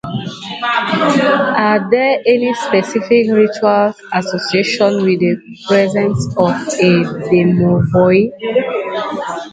Are there any specific rituals associated with the presence of a domovoi?